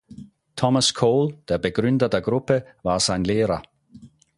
Thomas Cole, der Begründer der Gruppe, war sein Lehrer.